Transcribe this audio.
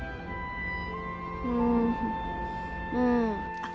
うんうんあっ